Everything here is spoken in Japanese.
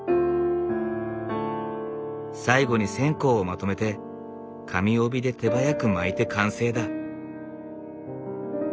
最後に線香をまとめて紙帯で手早く巻いて完成だ。